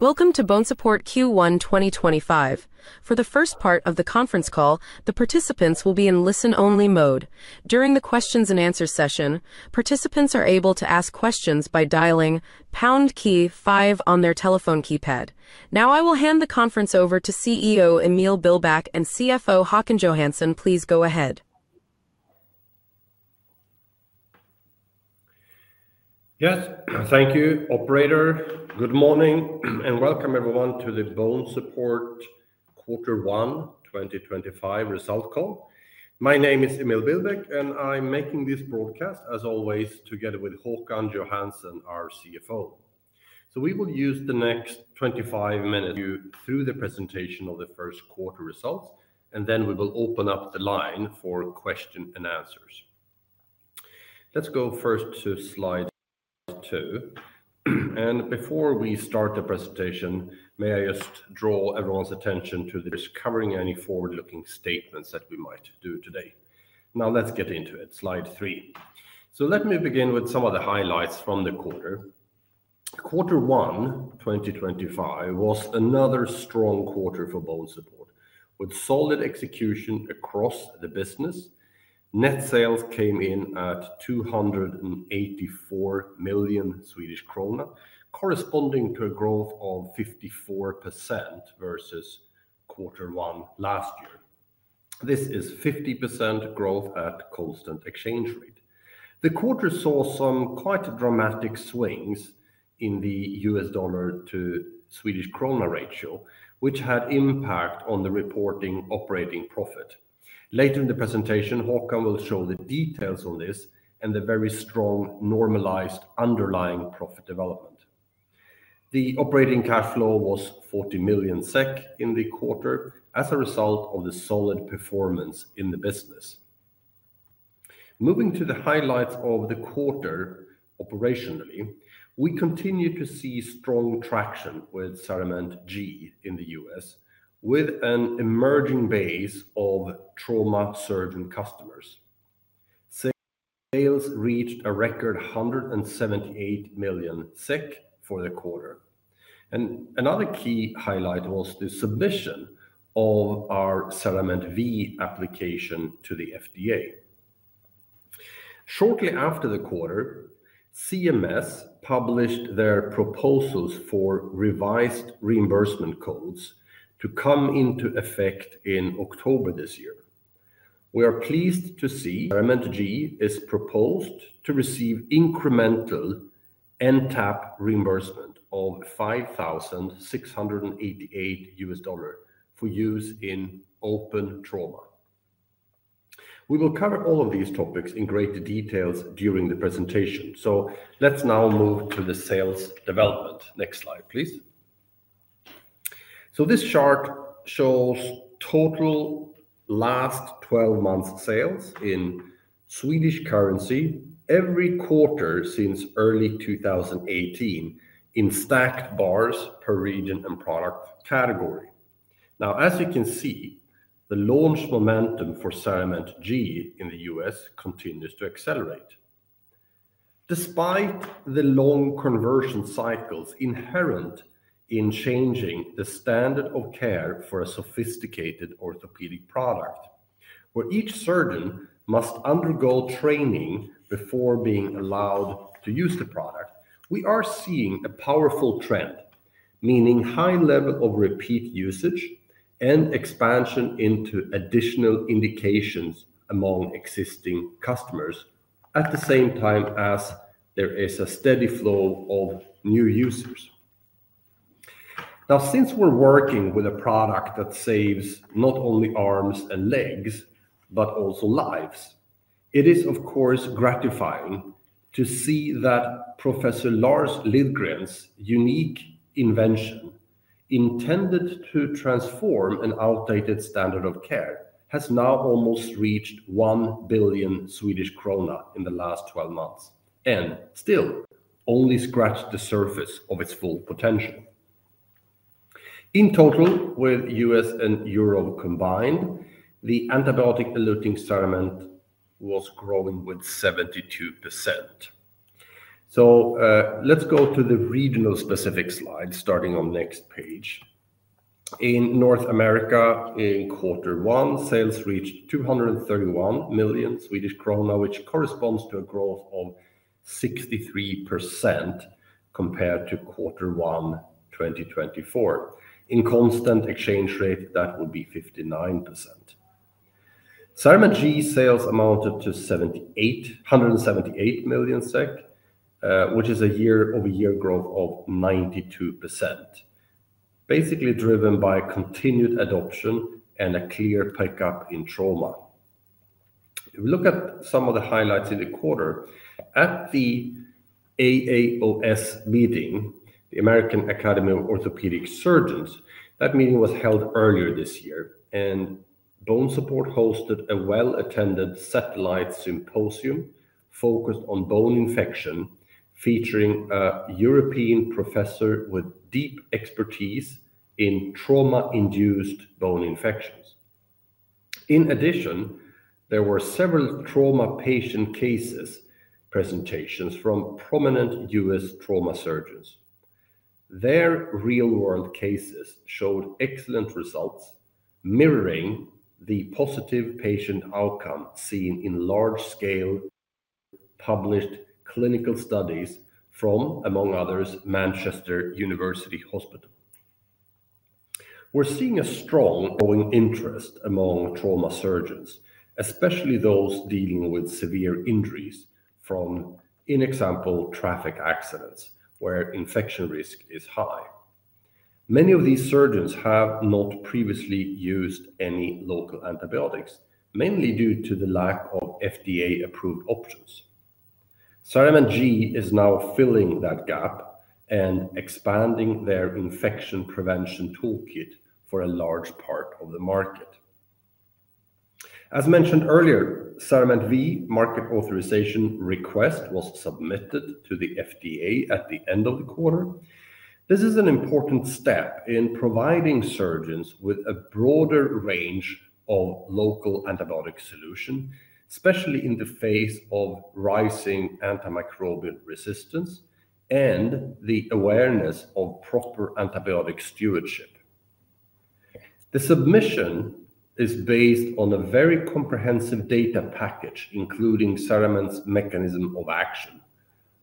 Welcome to BONESUPPORT Q1 2025. For the first part of the conference call, the participants will be in listen-only mode. During the Q&A session, participants are able to ask questions by dialing pound key five on their telephone keypad. Now, I will hand the conference over to CEO Emil Billbäck and CFO Håkan Johansson. Please go ahead. Yes, thank you, Operator. Good morning and welcome everyone to the BONESUPPORT Q1 2025 result call. My name is Emil Billbäck, and I'm making this broadcast, as always, together with Håkan Johansson, our CFO. We will use the next 25 minutes to go through the presentation of the first quarter results, and then we will open up the line for questions and answers. Let's go first to slide two. Before we start the presentation, may I just draw everyone's attention to covering any forward-looking statements that we might do today? Now, let's get into it. Slide three. Let me begin with some of the highlights from the quarter. Quarter one 2025 was another strong quarter for BONESUPPORT, with solid execution across the business. Net sales came in at 284 million Swedish krona, corresponding to a growth of 54% versus quarter one last year. This is 50% growth at a constant exchange rate. The quarter saw some quite dramatic swings in the U.S. dollar to Swedish krona ratio, which had an impact on the reporting operating profit. Later in the presentation, Håkan will show the details on this and the very strong normalized underlying profit development. The operating cash flow was 40 million SEK in the quarter as a result of the solid performance in the business. Moving to the highlights of the quarter operationally, we continue to see strong traction with CERAMENT G in the U.S., with an emerging base of trauma surgeon customers. Sales reached a record 178 million SEK for the quarter. Another key highlight was the submission of our CERAMENT V application to the FDA. Shortly after the quarter, CMS published their proposals for revised reimbursement codes to come into effect in October this year. We are pleased to see CERAMENT G is proposed to receive incremental NTAP reimbursement of $5,688 for use in open trauma. We will cover all of these topics in greater detail during the presentation. Let's now move to the sales development. Next slide, please. This chart shows total last 12 months' sales in Swedish currency every quarter since early 2018 in stacked bars per region and product category. As you can see, the launch momentum for CERAMENT G in the U.S. continues to accelerate, despite the long conversion cycles inherent in changing the standard of care for a sophisticated orthopedic product, where each surgeon must undergo training before being allowed to use the product. We are seeing a powerful trend, meaning a high level of repeat usage and expansion into additional indications among existing customers, at the same time as there is a steady flow of new users. Now, since we're working with a product that saves not only arms and legs, but also lives, it is, of course, gratifying to see that Professor Lars Lidgren's unique invention, intended to transform an outdated standard of care, has now almost reached 1 billion Swedish krona in the last 12 months and still only scratched the surface of its full potential. In total, with U.S. and Europe combined, the antibiotic-eluting sediment was growing with 72%. Let's go to the regional specific slide, starting on the next page. In North America, in quarter one, sales reached 231 million Swedish krona, which corresponds to a growth of 63% compared to quarter one 2024. In constant exchange rate, that would be 59%. CERAMENT G sales amounted to 178 million SEK, which is a year-over-year growth of 92%, basically driven by continued adoption and a clear pickup in trauma. If we look at some of the highlights in the quarter, at the AAOS meeting, the American Academy of Orthopaedic Surgeons, that meeting was held earlier this year, and BONESUPPORT hosted a well-attended satellite symposium focused on bone infection, featuring a European professor with deep expertise in trauma-induced bone infections. In addition, there were several trauma patient cases presentations from prominent U.S. trauma surgeons. Their real-world cases showed excellent results, mirroring the positive patient outcome seen in large-scale published clinical studies from, among others, Manchester University Hospital. We're seeing a strong growing interest among trauma surgeons, especially those dealing with severe injuries from, in example, traffic accidents, where infection risk is high. Many of these surgeons have not previously used any local antibiotics, mainly due to the lack of FDA-approved options. CERAMENT G is now filling that gap and expanding their infection prevention toolkit for a large part of the market. As mentioned earlier, CERAMENT V market authorization request was submitted to the FDA at the end of the quarter. This is an important step in providing surgeons with a broader range of local antibiotic solutions, especially in the face of rising antimicrobial resistance and the awareness of proper antibiotic stewardship. The submission is based on a very comprehensive data package, including CERAMENT's mechanism of action,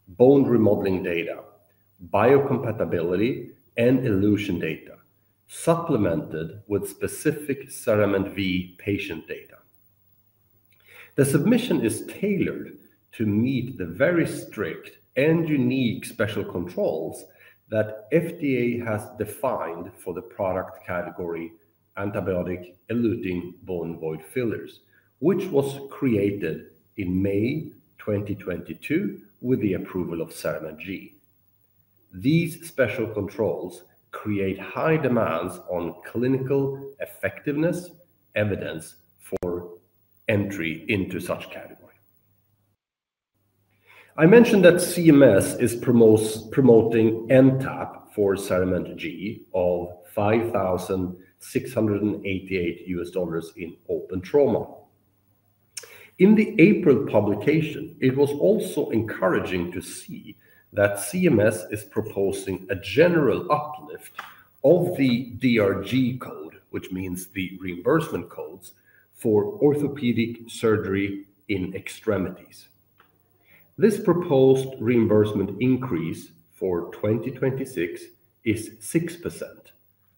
bone remodeling data, biocompatibility, and elution data, supplemented with specific CERAMENT V patient data. The submission is tailored to meet the very strict and unique special controls that FDA has defined for the product category antibiotic-eluting bone void fillers, which was created in May 2022 with the approval of CERAMENT G. These special controls create high demands on clinical effectiveness evidence for entry into such category. I mentioned that CMS is promoting NTAP for CERAMENT G of $5,688 in open trauma. In the April publication, it was also encouraging to see that CMS is proposing a general uplift of the DRG code, which means the reimbursement codes for orthopedic surgery in extremities. This proposed reimbursement increase for 2026 is 6%,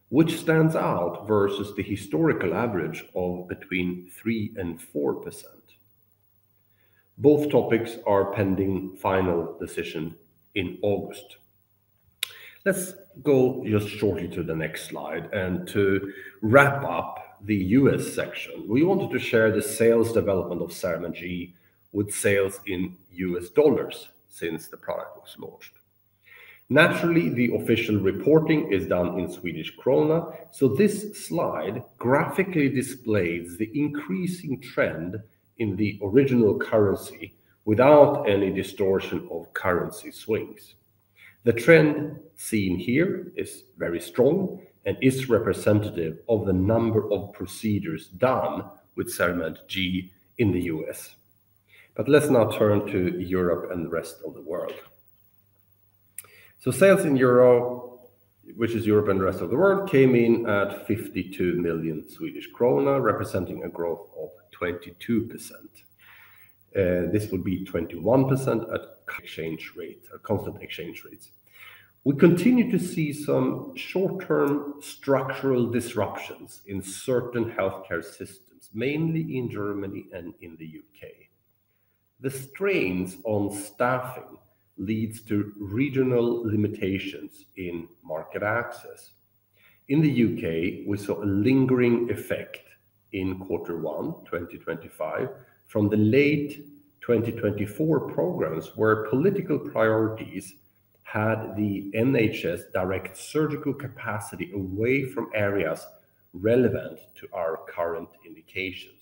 which stands out versus the historical average of between 3% and 4%. Both topics are pending final decision in August. Let's go just shortly to the next slide. To wrap up the U.S. section, we wanted to share the sales development of CERAMENT G with sales in U.S. dollars since the product was launched. Naturally, the official reporting is done in SEK, so this slide graphically displays the increasing trend in the original currency without any distortion of currency swings. The trend seen here is very strong and is representative of the number of procedures done with CERAMENT G in the U.S.. Let's now turn to Europe and the rest of the world. Sales in Europe, which is Europe and the rest of the world, came in at 52 million Swedish krona, representing a growth of 22%. This would be 21% at constant exchange rates. We continue to see some short-term structural disruptions in certain healthcare systems, mainly in Germany and in the U.K. The strains on staffing lead to regional limitations in market access. In the U.K., we saw a lingering effect in quarter one 2025 from the late 2024 programs, where political priorities had the NHS direct surgical capacity away from areas relevant to our current indications.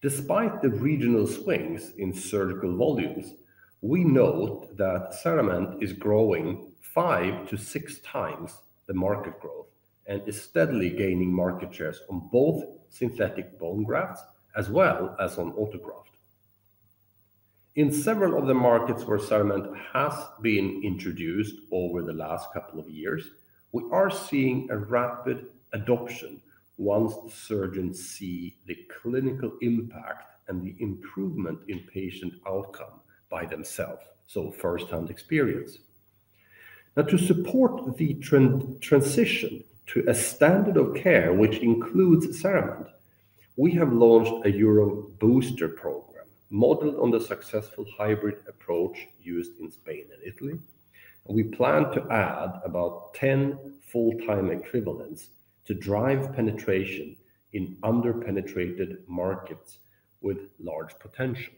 Despite the regional swings in surgical volumes, we note that CERAMENT is growing five to six times the market growth and is steadily gaining market shares on both synthetic bone grafts as well as on autograft. In several of the markets where CERAMENT has been introduced over the last couple of years, we are seeing a rapid adoption once surgeons see the clinical impact and the improvement in patient outcome by themselves, so first-hand experience. Now, to support the transition to a standard of care which includes CERAMENT, we have launched a Euro booster program modeled on the successful hybrid approach used in Spain and Italy. We plan to add about 10 full-time equivalents to drive penetration in underpenetrated markets with large potential.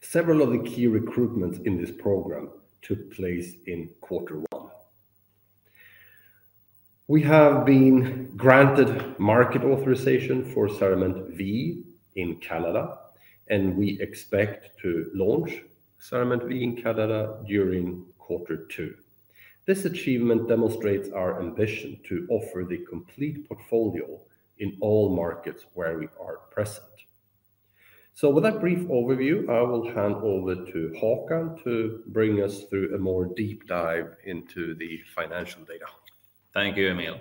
Several of the key recruitments in this program took place in quarter one. We have been granted market authorization for CERAMENT V in Canada, and we expect to launch CERAMENT V in Canada during quarter two. This achievement demonstrates our ambition to offer the complete portfolio in all markets where we are present. With that brief overview, I will hand over to Håkan to bring us through a more deep dive into the financial data. Thank you, Emil.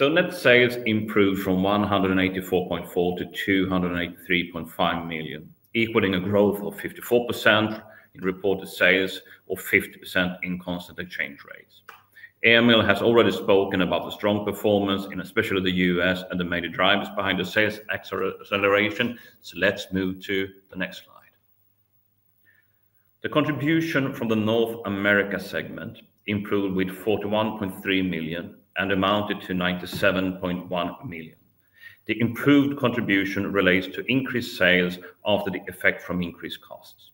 Net sales improved from 184.4 million to 283.5 million, equaling a growth of 54% in reported sales or 50% in constant exchange rates. Emil has already spoken about the strong performance in, especially the U.S., and the major drivers behind the sales acceleration. Let's move to the next slide. The contribution from the North America segment improved with 41.3 million and amounted to 97.1 million. The improved contribution relates to increased sales after the effect from increased costs.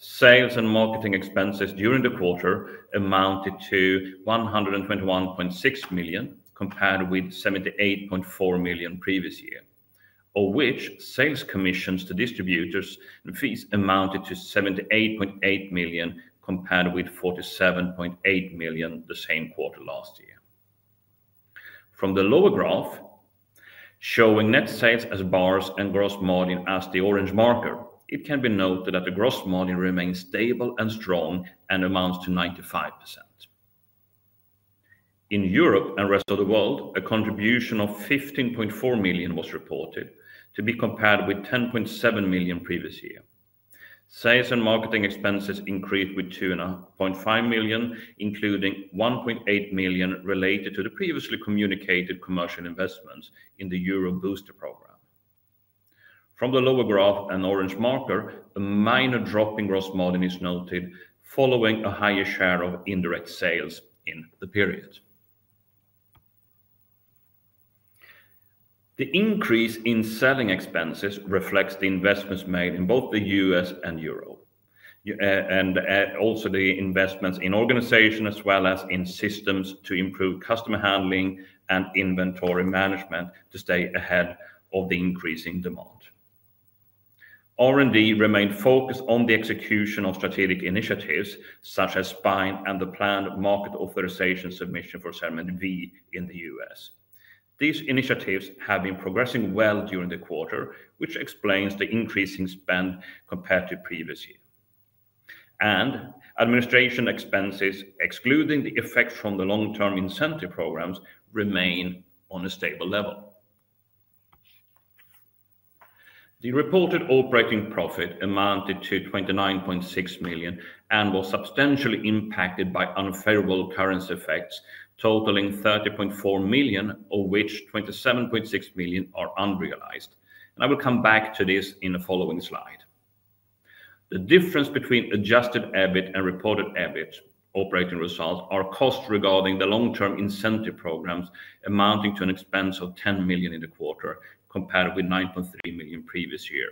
Sales and marketing expenses during the quarter amounted to 121.6 million compared with 78.4 million previous year, of which sales commissions to distributors and fees amounted to 78.8 million compared with 47.8 million the same quarter last year. From the lower graph, showing net sales as bars and gross margin as the orange marker, it can be noted that the gross margin remains stable and strong and amounts to 95%. In Europe and the rest of the world, a contribution of 15.4 million was reported to be compared with 10.7 million previous year. Sales and marketing expenses increased with 2.5 million, including 1.8 million related to the previously communicated commercial investments in the Euro booster program. From the lower graph and orange marker, a minor drop in gross margin is noted following a higher share of indirect sales in the period. The increase in selling expenses reflects the investments made in both the U.S. and Europe and also the investments in organizations as well as in systems to improve customer handling and inventory management to stay ahead of the increasing demand. R&D remained focused on the execution of strategic initiatives such as Spine and the planned market authorization submission for CERAMENT V in the U.S.. These initiatives have been progressing well during the quarter, which explains the increasing spend compared to previous year. Administration expenses, excluding the effects from the long-term incentive programs, remain on a stable level. The reported operating profit amounted to 29.6 million and was substantially impacted by unfavorable currency effects, totaling 30.4 million, of which 27.6 million are unrealized. I will come back to this in the following slide. The difference between adjusted EBIT and reported EBIT operating results are costs regarding the long-term incentive programs amounting to an expense of 10 million in the quarter compared with 9.3 million previous year.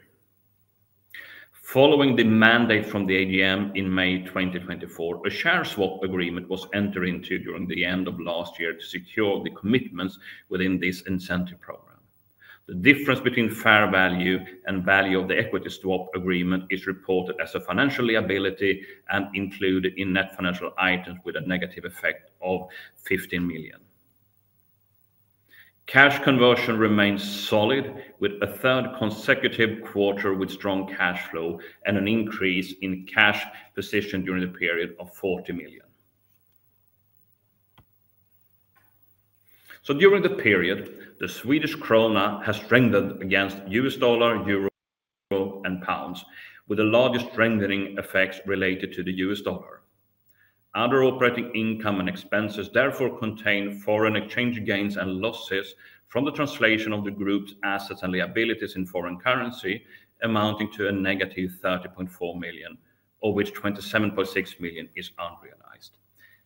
Following the mandate from the AGM in May 2024, a share swap agreement was entered into during the end of last year to secure the commitments within this incentive program. The difference between fair value and value of the equity swap agreement is reported as a financial liability and included in net financial items with a negative effect of 15 million. Cash conversion remains solid with a third consecutive quarter with strong cash flow and an increase in cash position during the period of 40 million. During the period, the Swedish krona has strengthened against the U.S. dollar, euro, and pounds, with the largest strengthening effects related to the U.S. dollar. Other operating income and expenses therefore contain foreign exchange gains and losses from the translation of the group's assets and liabilities in foreign currency amounting to a negative 30.4 million, of which 27.6 million is unrealized.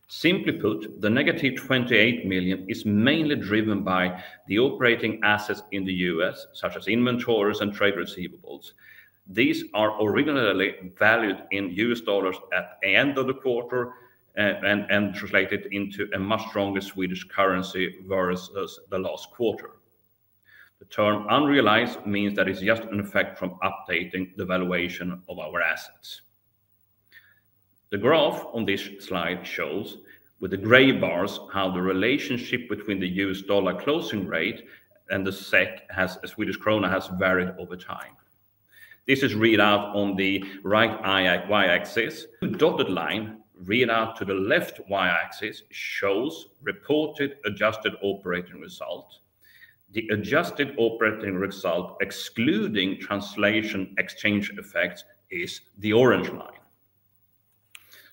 Simply put, the negative 28 million is mainly driven by the operating assets in the U.S., such as inventories and trade receivables. These are originally valued in U.S. dollars at the end of the quarter and translated into a much stronger Swedish currency versus the last quarter. The term unrealized means that it's just an effect from updating the valuation of our assets. The graph on this slide shows, with the gray bars, how the relationship between the U.S. dollar closing rate and the Swedish krona has varied over time. This is read out on the right Y axis. The dotted line read out to the left Y axis shows reported adjusted operating result. The adjusted operating result, excluding translation exchange effects, is the orange line.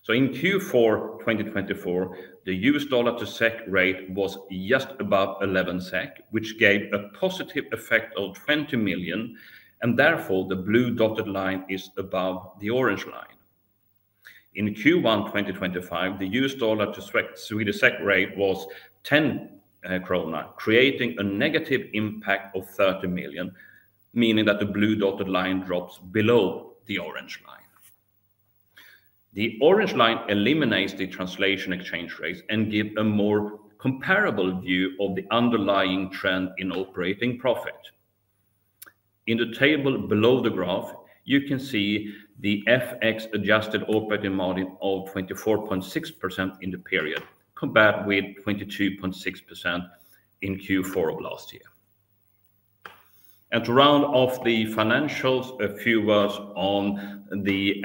In Q4 2024, the U.S. dollar to SEK rate was just above 11 SEK, which gave a positive effect of 20 million, and therefore the blue dotted line is above the orange line. In Q1 2025, the U.S. dollar to Swedish SEK rate was 10 krona, creating a negative impact of 30 million, meaning that the blue dotted line drops below the orange line. The orange line eliminates the translation exchange rates and gives a more comparable view of the underlying trend in operating profit. In the table below the graph, you can see the FX adjusted operating margin of 24.6% in the period compared with 22.6% in Q4 of last year. To round off the financials, a few words on the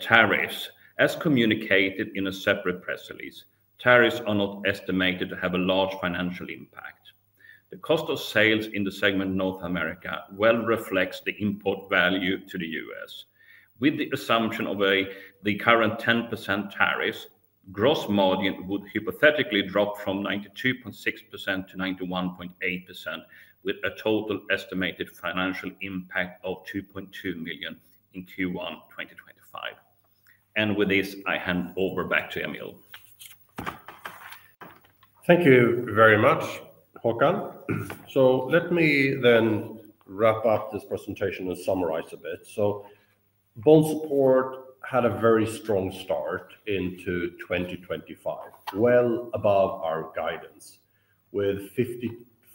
tariffs. As communicated in a separate press release, tariffs are not estimated to have a large financial impact. The cost of sales in the segment North America well reflects the import value to the U.S.. With the assumption of the current 10% tariffs, gross margin would hypothetically drop from 92.6% to 91.8%, with a total estimated financial impact of 2.2 million in Q1 2025. With this, I hand over back to Emil. Thank you very much, Håkan. Let me then wrap up this presentation and summarize a bit. BONESUPPORT had a very strong start into 2025, well above our guidance, with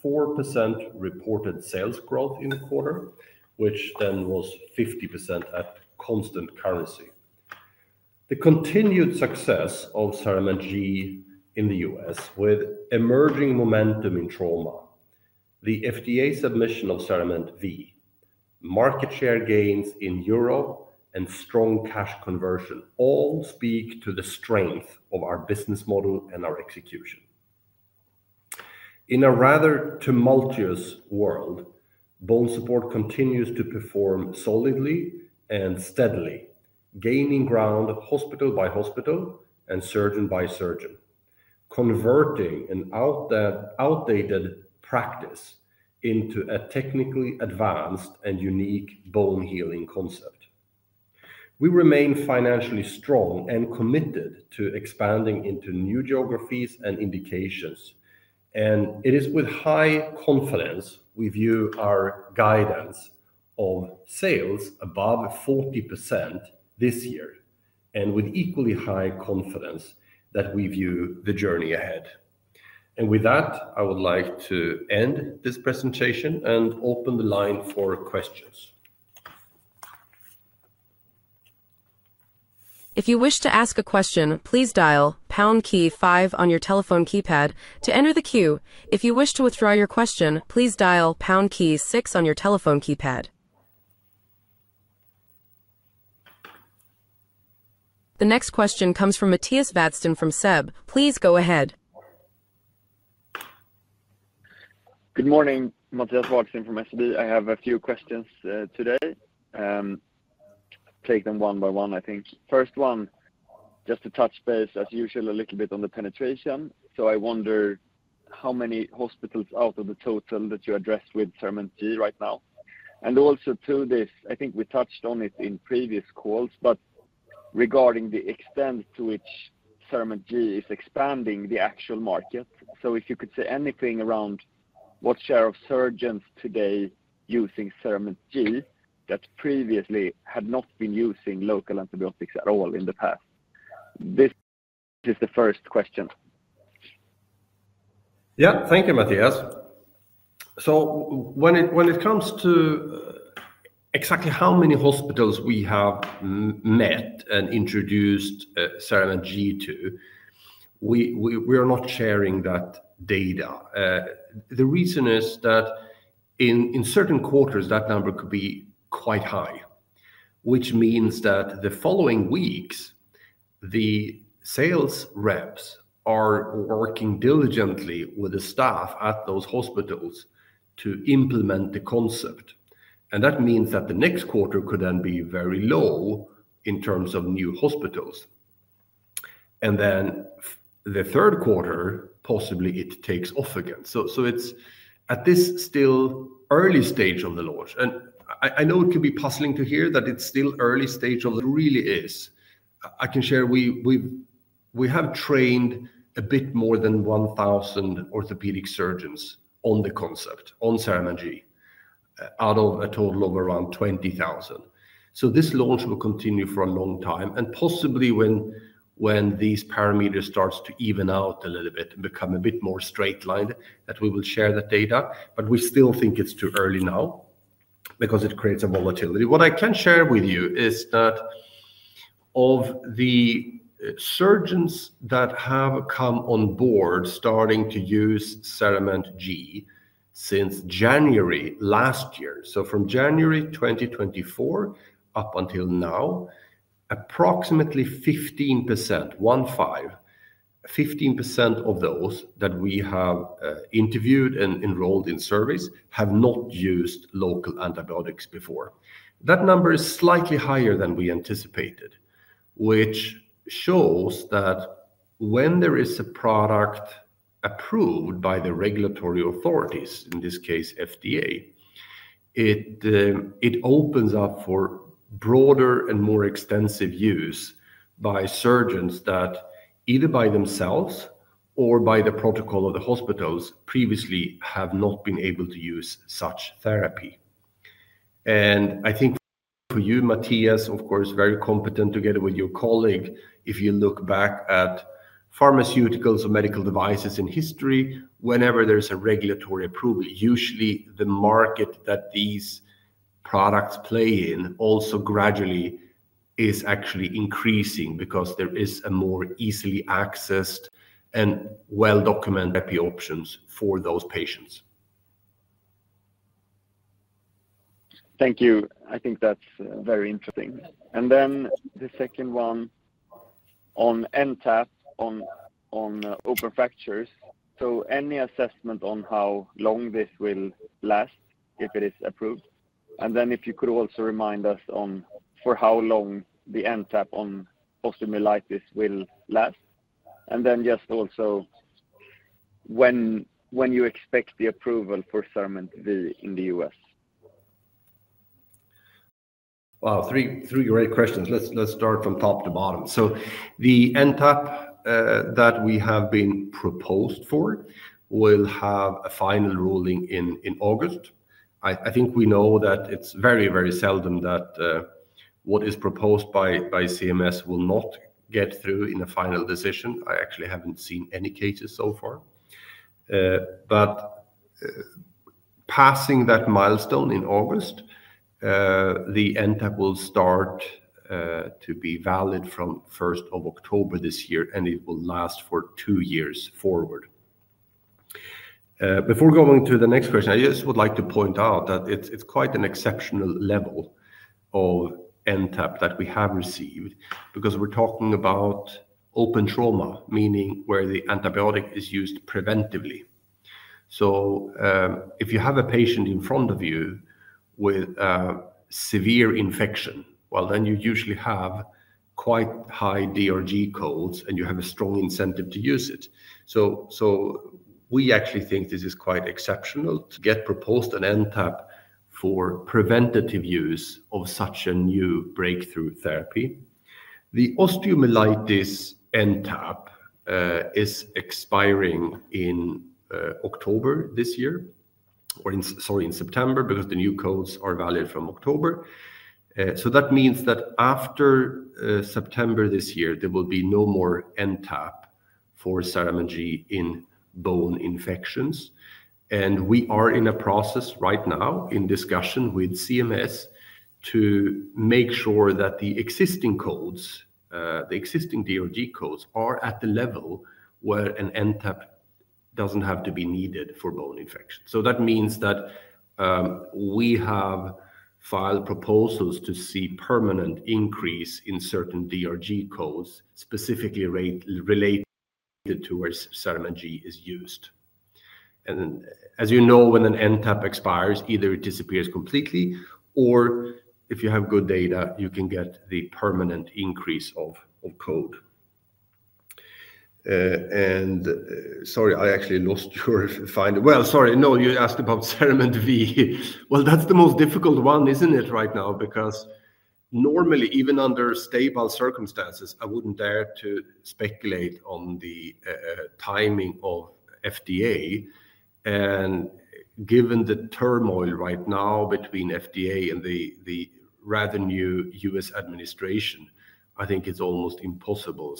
54% reported sales growth in the quarter, which then was 50% at constant currency. The continued success of CERAMENT G in the U.S., with emerging momentum in trauma, the FDA submission of CERAMENT V, market share gains in Europe, and strong cash conversion all speak to the strength of our business model and our execution. In a rather tumultuous world, BONESUPPORT continues to perform solidly and steadily, gaining ground hospital by hospital and surgeon by surgeon, converting an outdated practice into a technically advanced and unique bone healing concept. We remain financially strong and committed to expanding into new geographies and indications, and it is with high confidence we view our guidance of sales above 40% this year and with equally high confidence that we view the journey ahead. With that, I would like to end this presentation and open the line for questions. If you wish to ask a question, please dial pound key five on your telephone keypad to enter the queue. If you wish to withdraw your question, please dial pound key six on your telephone keypad. The next question comes from Matthias Vatsten from SEB. Please go ahead. Good morning, Matthias Vatsten from SEB. I have a few questions today. Take them one by one, I think. First one, just to touch base as usual, a little bit on the penetration. I wonder how many hospitals out of the total that you address with CERAMENT G right now. Also to this, I think we touched on it in previous calls, but regarding the extent to which CERAMENT G is expanding the actual market. If you could say anything around what share of surgeons today using CERAMENT G that previously had not been using local antibiotics at all in the past. This is the first question. Yeah, thank you, Matthias. When it comes to exactly how many hospitals we have met and introduced CERAMENT G to, we are not sharing that data. The reason is that in certain quarters, that number could be quite high, which means that the following weeks, the sales reps are working diligently with the staff at those hospitals to implement the concept. That means that the next quarter could then be very low in terms of new hospitals. The third quarter, possibly it takes off again. It is at this still early stage of the launch. I know it can be puzzling to hear that it is still early stage. It really is. I can share we have trained a bit more than 1,000 orthopedic surgeons on the concept, on CERAMENT G, out of a total of around 20,000. This launch will continue for a long time. Possibly when these parameters start to even out a little bit and become a bit more straight lined, we will share the data. We still think it's too early now because it creates a volatility. What I can share with you is that of the surgeons that have come on board starting to use CERAMENT G since January last year, so from January 2024 up until now, approximately 15%, one five, 15% of those that we have interviewed and enrolled in service have not used local antibiotics before. That number is slightly higher than we anticipated, which shows that when there is a product approved by the regulatory authorities, in this case FDA, it opens up for broader and more extensive use by surgeons that either by themselves or by the protocol of the hospitals previously have not been able to use such therapy. I think for you, Matthias, of course, very competent together with your colleague, if you look back at pharmaceuticals or medical devices in history, whenever there's a regulatory approval, usually the market that these products play in also gradually is actually increasing because there is a more easily accessed and well-documented therapy options for those patients. Thank you. I think that's very interesting. The second one on NTAP on open fractures. Any assessment on how long this will last if it is approved? If you could also remind us on for how long the NTAP on osteomyelitis will last. Also, when you expect the approval for CERAMENT V in the U.S.. Wow, three great questions. Let's start from top to bottom. The NTAP that we have been proposed for will have a final ruling in August. I think we know that it is very, very seldom that what is proposed by CMS will not get through in a final decision. I actually have not seen any cases so far. Passing that milestone in August, the NTAP will start to be valid from 1st of October this year, and it will last for two years forward. Before going to the next question, I just would like to point out that it's quite an exceptional level of NTAP that we have received because we're talking about open trauma, meaning where the antibiotic is used preventively. If you have a patient in front of you with a severe infection, then you usually have quite high DRG codes and you have a strong incentive to use it. We actually think this is quite exceptional. Get proposed an NTAP for preventative use of such a new breakthrough therapy. The osteomyelitis NTAP is expiring in October this year, or sorry, in September because the new codes are valid from October. That means that after September this year, there will be no more NTAP for CERAMENT G in bone infections. We are in a process right now in discussion with CMS to make sure that the existing codes, the existing DRG codes, are at the level where an NTAP does not have to be needed for bone infection. That means that we have filed proposals to see permanent increase in certain DRG codes specifically related to where CERAMENT G is used. As you know, when an NTAP expires, either it disappears completely or if you have good data, you can get the permanent increase of code. Sorry, I actually lost your finding. Sorry, no, you asked about CERAMENT V. That is the most difficult one, is it not right now? Because normally, even under stable circumstances, I would not dare to speculate on the timing of FDA. Given the turmoil right now between FDA and the rather new U.S. administration, I think it is almost impossible.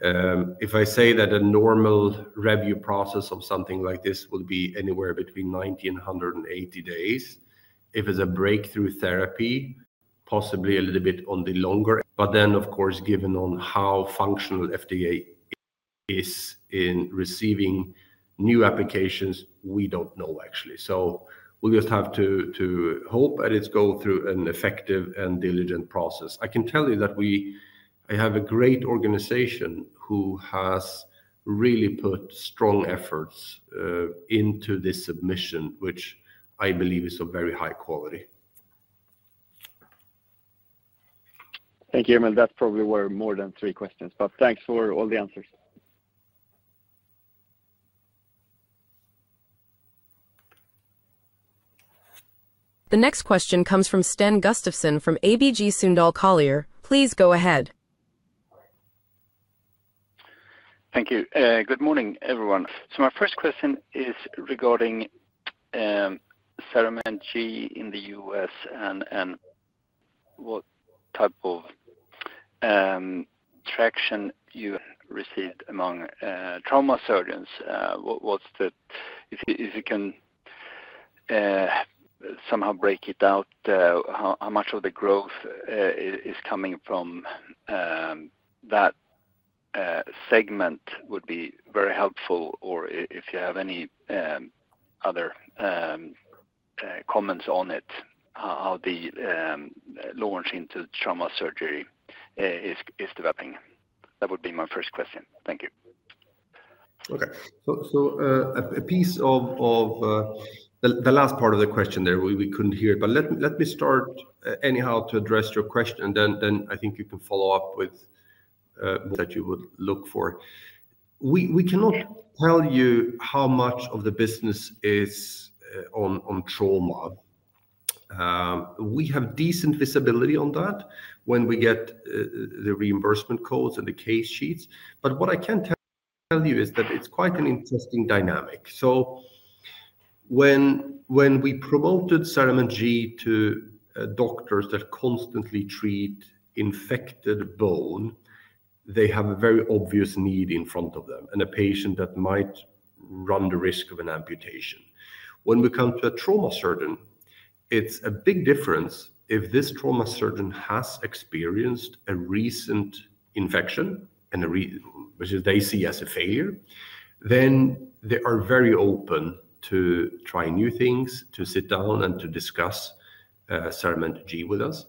If I say that a normal review process of something like this would be anywhere between 90 and 180 days, if it's a breakthrough therapy, possibly a little bit on the longer. Of course, given on how functional FDA is in receiving new applications, we don't know actually. We just have to hope and it goes through an effective and diligent process. I can tell you that I have a great organization who has really put strong efforts into this submission, which I believe is of very high quality. Thank you, Emil. That's probably where more than three questions, but thanks for all the answers. The next question comes from Sten Gustafsson from ABG Sundal Collier. Please go ahead. Thank you. Good morning, everyone. My first question is regarding CERAMENT G in the U.S. and what type of traction you received among trauma surgeons. If you can somehow break it out, how much of the growth is coming from that segment would be very helpful, or if you have any other comments on it, how the launch into trauma surgery is developing. That would be my first question. Thank you. Okay. A piece of the last part of the question there, we could not hear it, but let me start anyhow to address your question, and then I think you can follow up with what you would look for. We cannot tell you how much of the business is on trauma. We have decent visibility on that when we get the reimbursement codes and the case sheets. What I can tell you is that it is quite an interesting dynamic. When we promoted CERAMENT G to doctors that constantly treat infected bone, they have a very obvious need in front of them and a patient that might run the risk of an amputation. When we come to a trauma surgeon, it's a big difference if this trauma surgeon has experienced a recent infection, which they see as a failure, then they are very open to trying new things, to sit down and to discuss CERAMENT G with us.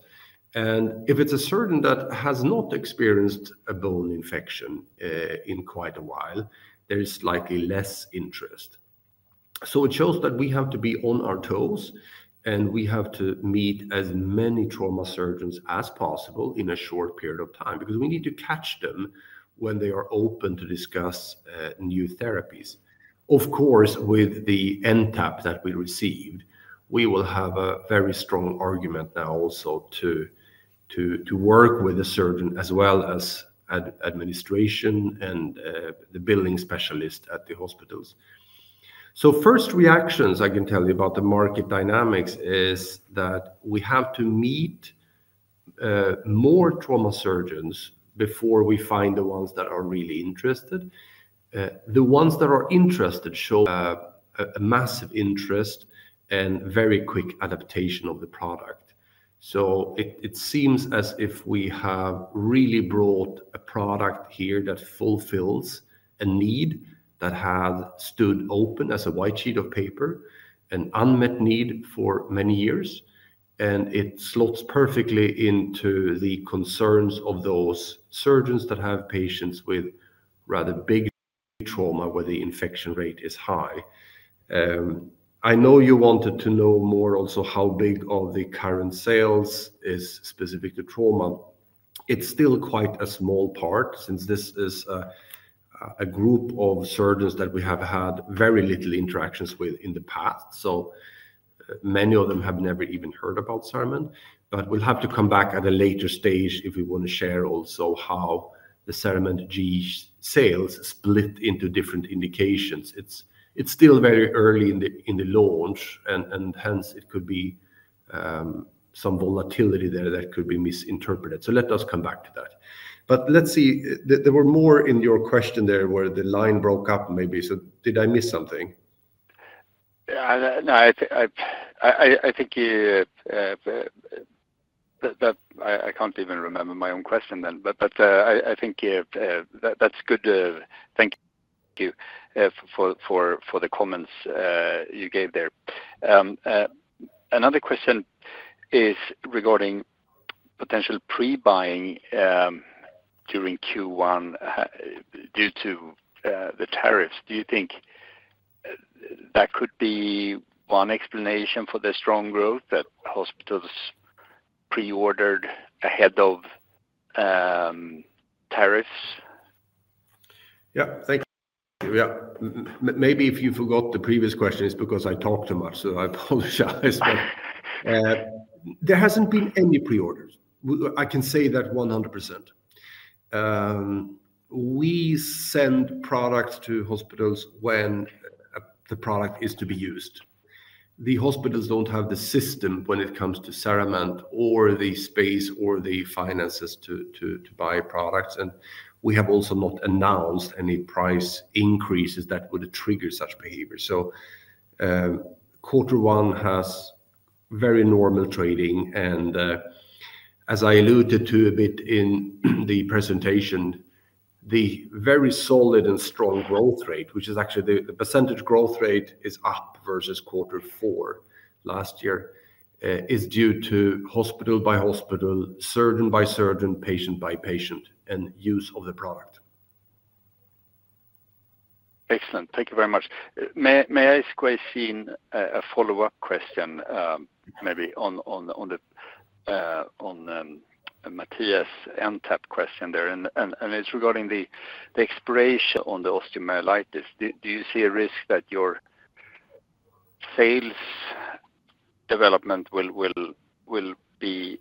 If it's a surgeon that has not experienced a bone infection in quite a while, there is likely less interest. It shows that we have to be on our toes and we have to meet as many trauma surgeons as possible in a short period of time because we need to catch them when they are open to discuss new therapies. Of course, with the NTAP that we received, we will have a very strong argument now also to work with the surgeon as well as administration and the billing specialist at the hospitals. First reactions I can tell you about the market dynamics is that we have to meet more trauma surgeons before we find the ones that are really interested. The ones that are interested show a massive interest and very quick adaptation of the product. It seems as if we have really brought a product here that fulfills a need that had stood open as a white sheet of paper, an unmet need for many years, and it slots perfectly into the concerns of those surgeons that have patients with rather big trauma where the infection rate is high. I know you wanted to know more also how big of the current sales is specific to trauma. It's still quite a small part since this is a group of surgeons that we have had very little interactions with in the past. Many of them have never even heard about CERAMENT, but we'll have to come back at a later stage if we want to share also how the CERAMENT G sales split into different indications. It's still very early in the launch, and hence it could be some volatility there that could be misinterpreted. Let us come back to that. Let's see, there were more in your question there where the line broke up maybe. Did I miss something? No, I think I can't even remember my own question then, but I think that's good. Thank you for the comments you gave there. Another question is regarding potential pre-buying during Q1 due to the tariffs. Do you think that could be one explanation for the strong growth that hospitals pre-ordered ahead of tariffs? Yeah, thank you. Yeah. Maybe if you forgot the previous question, it's because I talked too much, so I apologize. There hasn't been any pre-orders. I can say that 100%. We send products to hospitals when the product is to be used. The hospitals don't have the system when it comes to CERAMENT or the space or the finances to buy products. We have also not announced any price increases that would trigger such behavior. Quarter one has very normal trading. As I alluded to a bit in the presentation, the very solid and strong growth rate, which is actually the percentage growth rate is up versus quarter four last year, is due to hospital by hospital, surgeon by surgeon, patient by patient, and use of the product. Excellent. Thank you very much. May I squeeze in a follow-up question maybe on Matthias' NTAP question there? It is regarding the expiration on the osteomyelitis. Do you see a risk that your sales development will be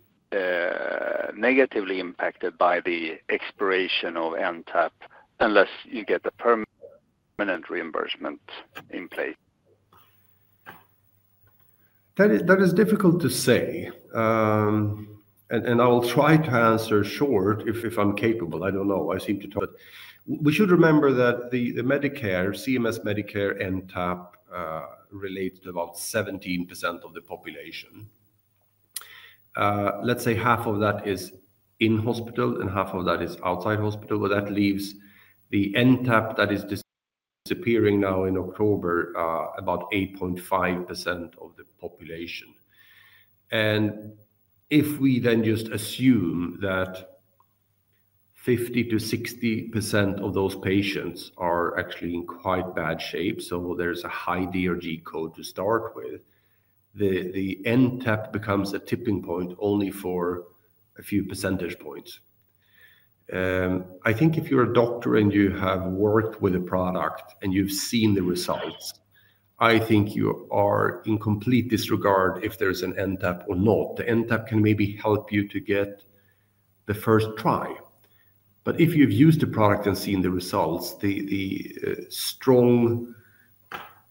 negatively impacted by the expiration of NTAP unless you get a permanent reimbursement in place? That is difficult to say. I'll try to answer short if I'm capable. I don't know. I seem to. We should remember that the Medicare, CMS Medicare NTAP relates to about 17% of the population. Let's say half of that is in hospital and half of that is outside hospital. That leaves the NTAP that is disappearing now in October, about 8.5% of the population. If we then just assume that 50-60% of those patients are actually in quite bad shape, so there is a high DRG code to start with, the NTAP becomes a tipping point only for a few percentage points. I think if you are a doctor and you have worked with a product and you have seen the results, I think you are in complete disregard if there is an NTAP or not. The NTAP can maybe help you to get the first try. If you have used the product and seen the results, the strong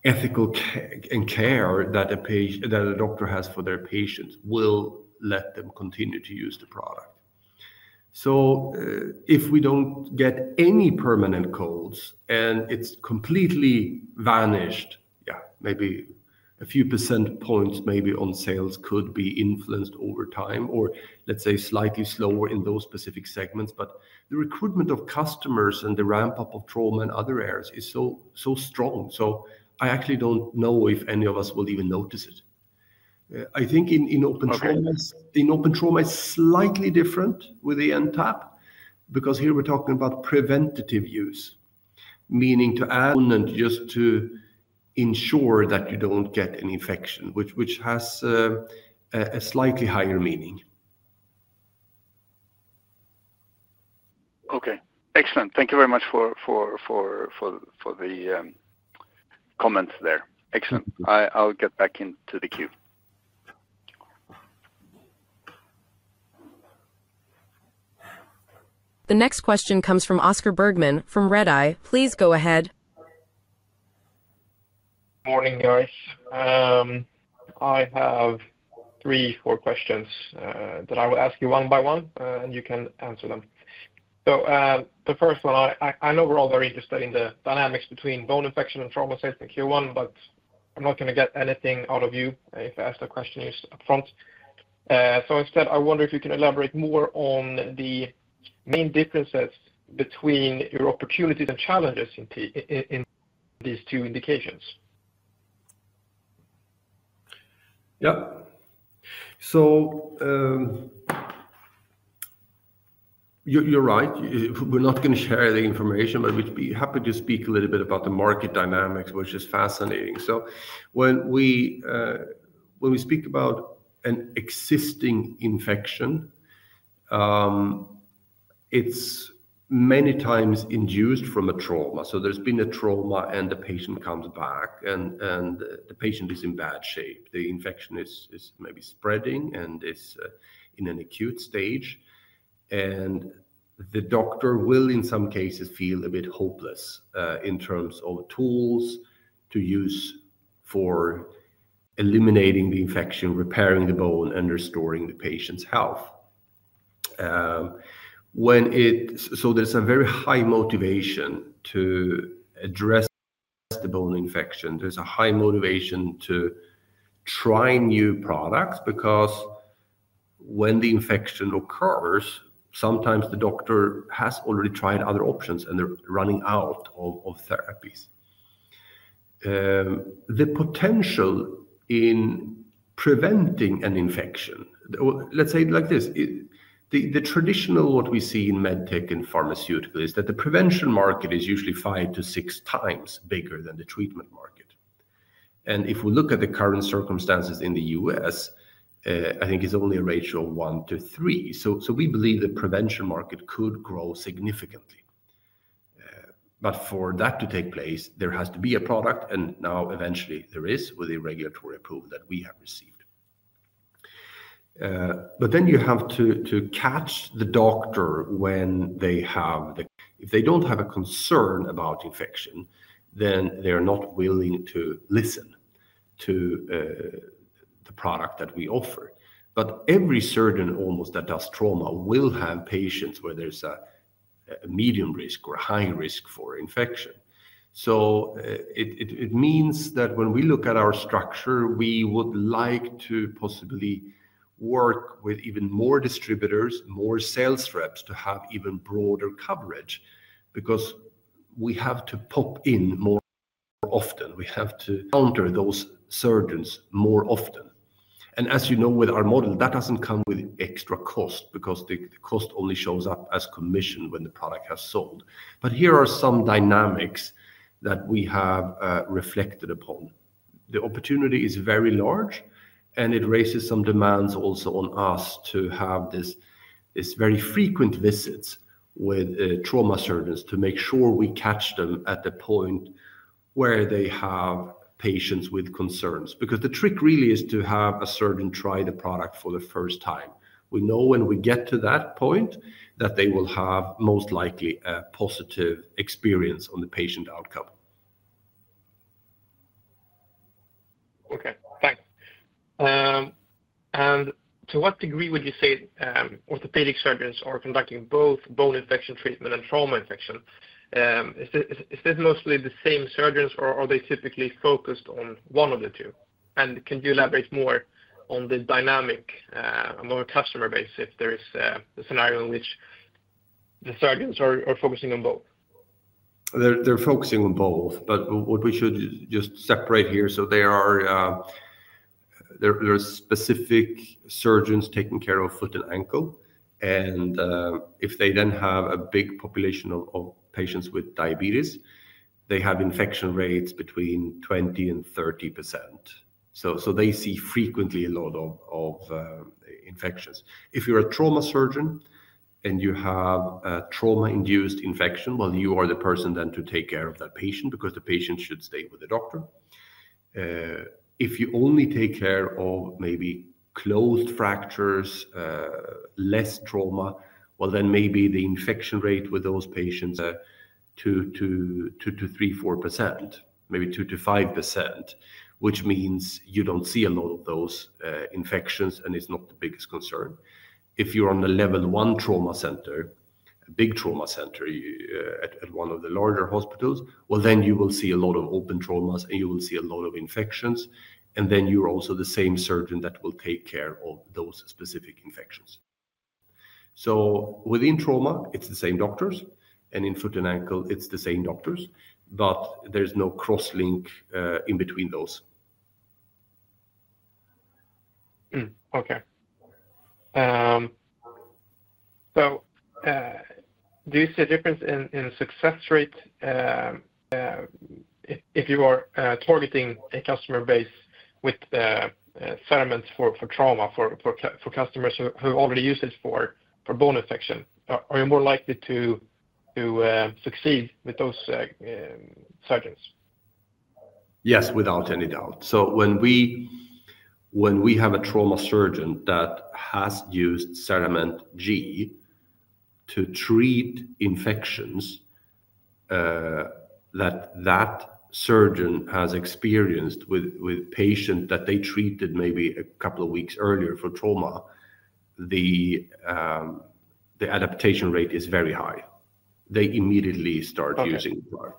ethical care that a doctor has for their patients will let them continue to use the product. If we do not get any permanent codes and it is completely vanished, yeah, maybe a few percentage points maybe on sales could be influenced over time or let's say slightly slower in those specific segments, but the recruitment of customers and the ramp-up of trauma and other areas is so strong. I actually do not know if any of us will even notice it. I think in open trauma, it is slightly different with the NTAP because here we are talking about preventative use, meaning to add just to ensure that you do not get an infection, which has a slightly higher meaning. Okay. Excellent. Thank you very much for the comments there. Excellent. I will get back into the queue. The next question comes from Oscar Bergman from Redeye. Please go ahead. Morning, guys. I have three, four questions that I will ask you one by one, and you can answer them. The first one, I know we're all very interested in the dynamics between bone infection and trauma sales in Q1, but I'm not going to get anything out of you if I ask the question you upfront. Instead, I wonder if you can elaborate more on the main differences between your opportunities and challenges in these two indications. Yeah. You're right. We're not going to share the information, but we'd be happy to speak a little bit about the market dynamics, which is fascinating. When we speak about an existing infection, it's many times induced from a trauma. There's been a trauma, and the patient comes back, and the patient is in bad shape. The infection is maybe spreading and is in an acute stage. The doctor will, in some cases, feel a bit hopeless in terms of tools to use for eliminating the infection, repairing the bone, and restoring the patient's health. There is a very high motivation to address the bone infection. There is a high motivation to try new products because when the infection occurs, sometimes the doctor has already tried other options, and they are running out of therapies. The potential in preventing an infection, let's say it like this, the traditional what we see in medtech and pharmaceutical is that the prevention market is usually five to six times bigger than the treatment market. If we look at the current circumstances in the U.S., I think it is only a ratio of one to three. We believe the prevention market could grow significantly. For that to take place, there has to be a product, and now eventually there is with the regulatory approval that we have received. You have to catch the doctor when they have the. If they do not have a concern about infection, then they are not willing to listen to the product that we offer. Every surgeon almost that does trauma will have patients where there is a medium risk or a high risk for infection. It means that when we look at our structure, we would like to possibly work with even more distributors, more sales reps to have even broader coverage because we have to pop in more often. We have to counter those surgeons more often. As you know, with our model, that does not come with extra cost because the cost only shows up as commission when the product has sold. Here are some dynamics that we have reflected upon. The opportunity is very large, and it raises some demands also on us to have these very frequent visits with trauma surgeons to make sure we catch them at the point where they have patients with concerns. The trick really is to have a surgeon try the product for the first time. We know when we get to that point that they will have most likely a positive experience on the patient outcome. Okay. Thanks. To what degree would you say orthopedic surgeons are conducting both bone infection treatment and trauma infection? Is this mostly the same surgeons, or are they typically focused on one of the two? Can you elaborate more on the dynamic or customer base if there is a scenario in which the surgeons are focusing on both? They're focusing on both, but what we should just separate here. There are specific surgeons taking care of foot and ankle. If they then have a big population of patients with diabetes, they have infection rates between 20-30%. They see frequently a lot of infections. If you're a trauma surgeon and you have a trauma-induced infection, you are the person then to take care of that patient because the patient should stay with the doctor. If you only take care of maybe closed fractures, less trauma, maybe the infection rate with those patients is 2%-3%, 4%, maybe 2%-5%, which means you don't see a lot of those infections and it's not the biggest concern. If you're on a level one trauma center, a big trauma center at one of the larger hospitals, you will see a lot of open traumas and you will see a lot of infections. You are also the same surgeon that will take care of those specific infections. Within trauma, it's the same doctors. In foot and ankle, it's the same doctors, but there's no crosslink in between those. Do you see a difference in success rate if you are targeting a customer base with CERAMENT for trauma for customers who already use it for bone infection? Are you more likely to succeed with those surgeons? Yes, without any doubt. When we have a trauma surgeon that has used CERAMENT G to treat infections that that surgeon has experienced with patients that they treated maybe a couple of weeks earlier for trauma, the adaptation rate is very high. They immediately start using the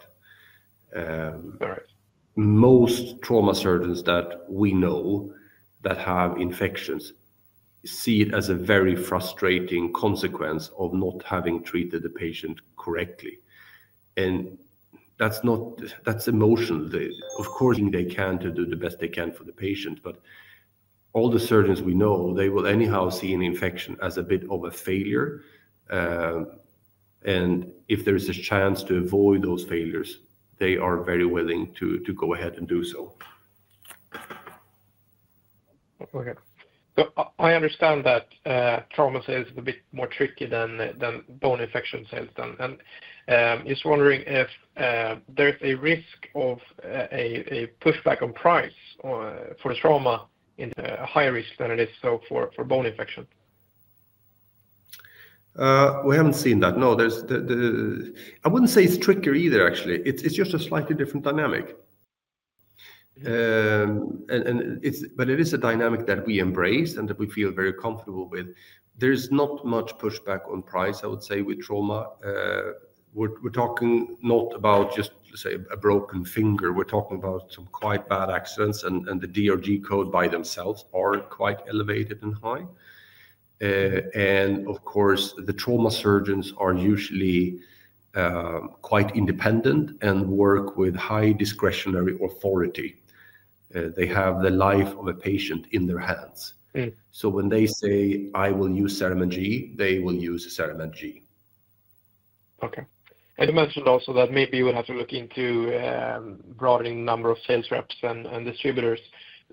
product. Most trauma surgeons that we know that have infections see it as a very frustrating consequence of not having treated the patient correctly. That's emotional. Of course, they can do the best they can for the patient, but all the surgeons we know, they will anyhow see an infection as a bit of a failure. If there is a chance to avoid those failures, they are very willing to go ahead and do so. Okay. I understand that trauma sales is a bit more tricky than bone infection sales. Just wondering if there's a risk of a pushback on price for trauma in higher risk than it is for bone infection. We haven't seen that. No. I wouldn't say it's trickier either, actually. It's just a slightly different dynamic. It is a dynamic that we embrace and that we feel very comfortable with. There's not much pushback on price, I would say, with trauma. We're talking not about just, say, a broken finger. We're talking about some quite bad accidents, and the DRG code by themselves are quite elevated and high. Of course, the trauma surgeons are usually quite independent and work with high discretionary authority. They have the life of a patient in their hands. When they say, "I will use CERAMENT G," they will use CERAMENT G. Okay. You mentioned also that maybe you would have to look into broadening the number of sales reps and distributors.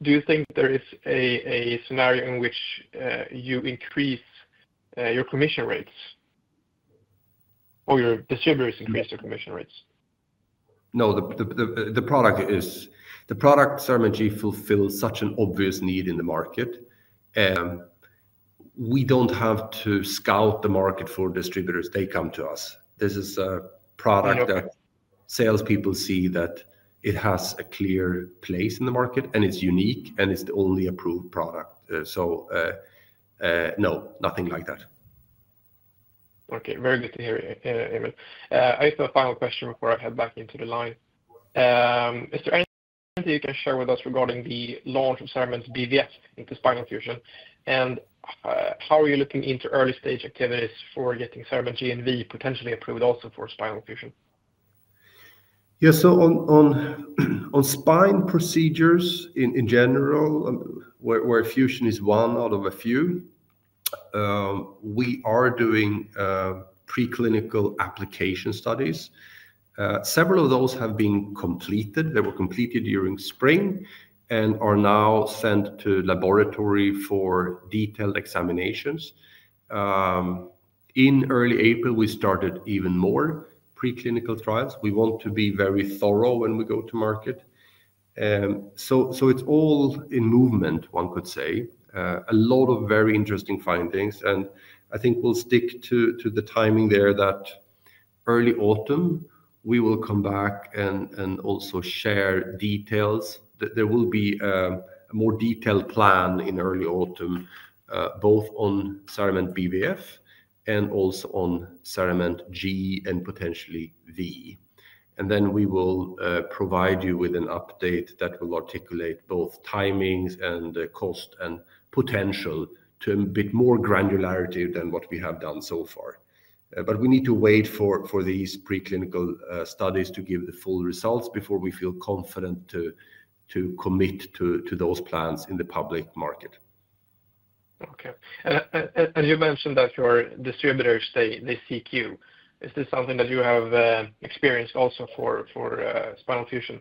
Do you think there is a scenario in which you increase your commission rates or your distributors increase their commission rates? No. The product CERAMENT G fulfills such an obvious need in the market. We do not have to scout the market for distributors. They come to us. This is a product that salespeople see that it has a clear place in the market, and it is unique, and it is the only approved product. No, nothing like that. Very good to hear it, Emil. I just have a final question before I head back into the line. Is there anything you can share with us regarding the launch of CERAMENT BVF into spinal fusion? How are you looking into early-stage activities for getting CERAMENT G and V potentially approved also for spinal fusion? Yeah. On spine procedures in general, where fusion is one out of a few, we are doing preclinical application studies. Several of those have been completed. They were completed during spring and are now sent to laboratory for detailed examinations. In early April, we started even more preclinical trials. We want to be very thorough when we go to market. It is all in movement, one could say. A lot of very interesting findings. I think we'll stick to the timing there that early autumn, we will come back and also share details. There will be a more detailed plan in early autumn, both on CERAMENT BVF and also on CERAMENT G and potentially V. We will provide you with an update that will articulate both timings and cost and potential to a bit more granularity than what we have done so far. We need to wait for these preclinical studies to give the full results before we feel confident to commit to those plans in the public market. Okay. You mentioned that your distributors, they seek you. Is this something that you have experienced also for spinal fusion?